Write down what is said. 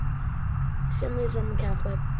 His family is Roman Catholic.